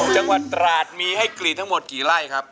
จังหวัดตราดมีให้กรีดทั้งหมดกี่ไร่ครับ